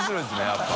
やっぱ。